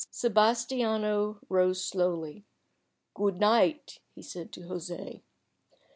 Sebastiano rose slowly. "Good night," he said to José.